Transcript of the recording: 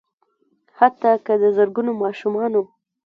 حتا که د زرګونو ماشومانو